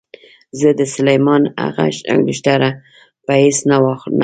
زه د سلیمان هغه انګشتره په هېڅ نه اخلم.